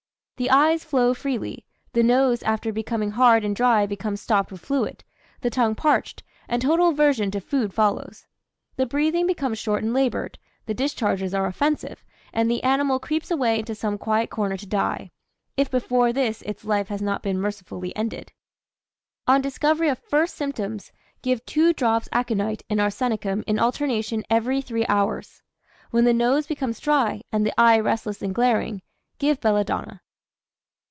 The eyes flow freely, the nose after becoming hard and dry becomes stopped with fluid, the tongue parched, and total aversion to food follows. The breathing becomes short and laboured, the discharges are offensive, and the animal creeps away into some quiet corner to die if before this its life has not been mercifully ended. On discovery of first symptoms, give 2 drops aconite and arsenicum in alternation every 3 hours. When the nose becomes dry, and the eye restless and glaring, give belladonna.